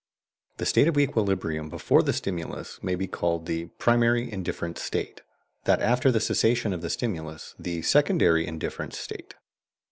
The state of equilibrium before the stimulus may be called the "primary indifference state"; that after the cessation of the stimulus, the "secondary indifference state."